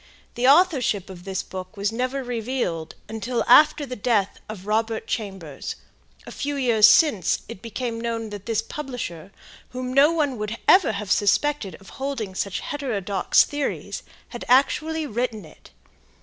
The authorship of this book was never revealed until after the death of Robert Chambers, a few years since, it became known that this publisher, whom no one would ever have suspected of holding such heterodox theories, had actually written it.